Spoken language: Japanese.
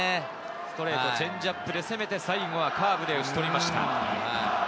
ストレート、チェンジアップで攻めて最後はカーブで打ち取りました。